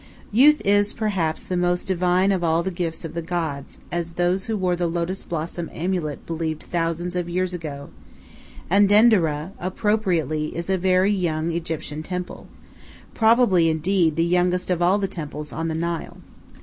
Youth is, perhaps, the most divine of all the gifts of the gods, as those who wore the lotus blossom amulet believed thousands of years ago, and Denderah, appropriately, is a very young Egyptian temple, probably, indeed, the youngest of all the temples on the Nile.